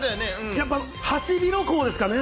やっぱ、ハシビロコウですかね？